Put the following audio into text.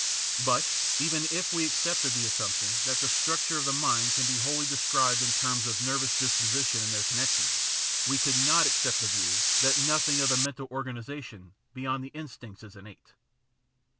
But, even if we accepted the assump tion that the structure of the mind can be wholly described in terms of nervous disposition and their connections, we could not accept the view that nothing of the mental organ isation beyond the instincts is innate.